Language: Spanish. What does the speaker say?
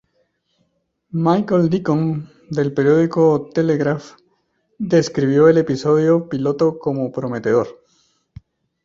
Michael Deacon, del periódico "Telegraph", describió el episodio piloto como "prometedor".